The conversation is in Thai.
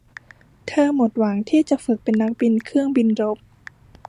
เธอหมดหวังที่จะฝึกเป็นนักบินเครื่องบินรบ